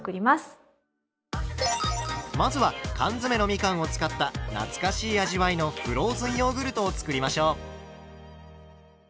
まずは缶詰のみかんを使った懐かしい味わいのフローズンヨーグルトを作りましょう。